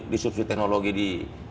disrupsi teknologi di